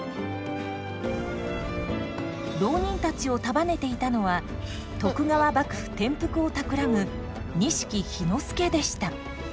浪人たちを束ねていたのは徳川幕府転覆をたくらむ錦氷ノ介でした。